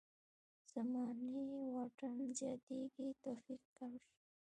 زماني واټن زیاتېږي توفیق کم شي.